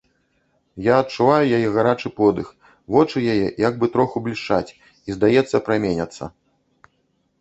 Я адчуваю яе гарачы подых, вочы яе як бы троху блішчаць і, здаецца, праменяцца.